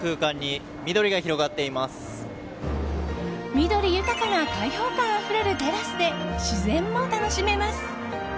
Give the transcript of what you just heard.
緑豊かな開放感あふれるテラスで自然も楽しめます。